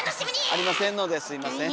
ありませんのですみません。